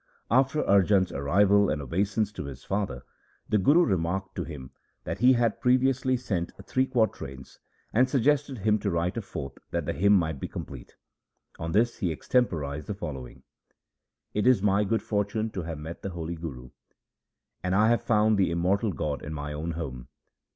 After Arjan's arrival and obeisance to his father, the Guru remarked to him that he had previously sent three quatrains, and suggested him to write a fourth that the hymn might be complete. On this he extemporized the following :— It is my good fortune to have met the holy Guru, And I have found the Immortal God in my own home.